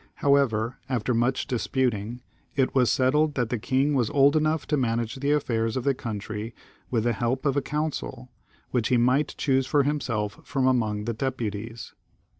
However, after much disputing, it was settled that the king was old enough to manage the affairs of the country with the help of a council, which he might choose for himself from among the deputies.